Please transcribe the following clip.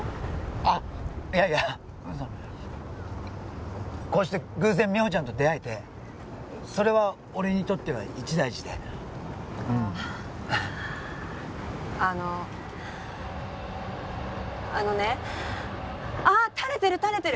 あッいやいやこうして偶然美穂ちゃんと出会えてそれは俺にとっては一大事であのあのねあッ垂れてる垂れてる！